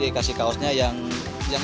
itu dikasih kaosnya yang berkualitas